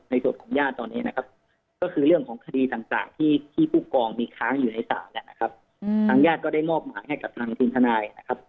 ในส่วนของญาติตอนนี้นะครับก็คือเรื่องของคดีต่างที่ผู้กองมีค้างอยู่ในศาลนะครับ